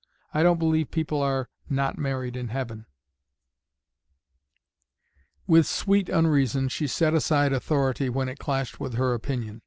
I don't believe people are not married in heaven." With sweet unreason she set aside authority when it clashed with her opinion.